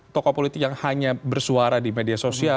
tokoh politik yang hanya bersuara di media sosial